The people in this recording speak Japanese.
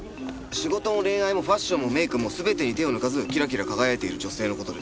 仕事も恋愛もファッションもメイクも全てに手を抜かずキラキラ輝いている女性の事です。